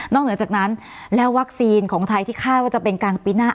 เหนือจากนั้นแล้ววัคซีนของไทยที่คาดว่าจะเป็นกลางปีหน้า